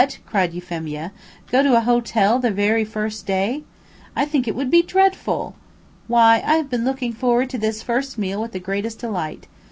cried Euphemia, "go to a hotel the very first day? I think it would be dreadful! Why, I have been looking forward to this first meal with the greatest delight.